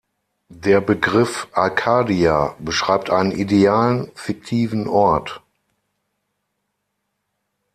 Der Begriff "Arcadia" beschreibt einen idealen, fiktiven Ort.